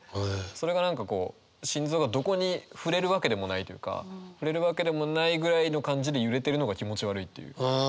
それが何かこう心臓がどこに触れるわけでもないというか触れるわけでもないぐらいの感じで揺れてるのが気持ち悪いという。